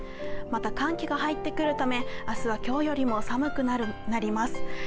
また寒気が入ってくるため、明日は今日よりも寒くなります。